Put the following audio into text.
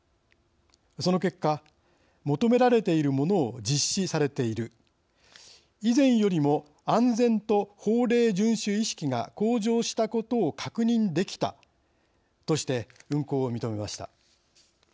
その結果求められているものを実施されている以前よりも安全と法令順守意識が向上したことを確認できたとして運航を認めました。